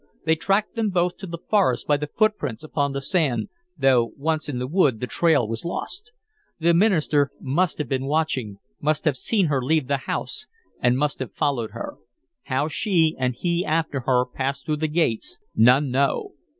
They tracked them both to the forest by the footprints upon the sand, though once in the wood the trail was lost. The minister must have been watching, must have seen her leave the house, and must have followed her. How she, and he after her, passed through the gates, none know.